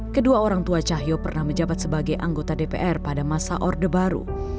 kedua orang tua cahyo pernah menjabat sebagai anggota dpr pada masa orde baru